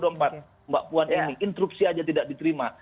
mbak puan ini instruksi aja tidak diterima